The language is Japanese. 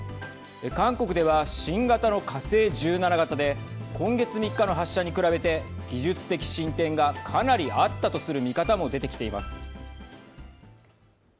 韓国では新型の火星１７型で今月３日の発射に比べて技術的進展が、かなりあったとする見方も出てきています。